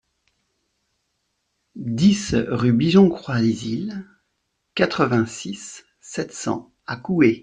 dix rue Bigeon Croisil, quatre-vingt-six, sept cents à Couhé